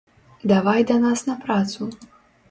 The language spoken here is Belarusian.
Давай да нас на працу!